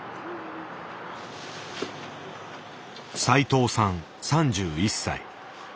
斉藤さん３１歳。